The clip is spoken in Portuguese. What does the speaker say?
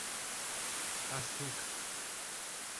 açúcar